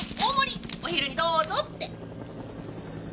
お昼にどうぞって。